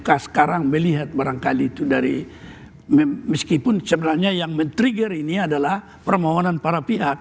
kpk sekarang melihat barangkali itu dari meskipun sebenarnya yang men trigger ini adalah permohonan para pihak